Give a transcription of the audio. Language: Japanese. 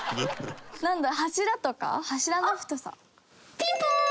ピンポン！